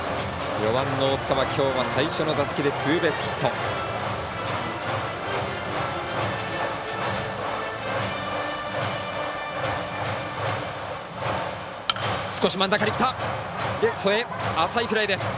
４番、大塚はきょう最初の打席でツーベースヒット。